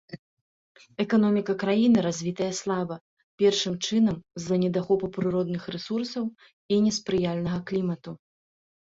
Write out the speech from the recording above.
Эканоміка краіны развітая слаба, першым чынам, з-за недахопу прыродных рэсурсаў і неспрыяльнага клімату.